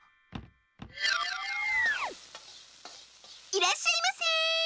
いらっしゃいませ！